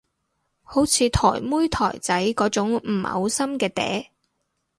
好似台妹台仔嗰種唔嘔心嘅嗲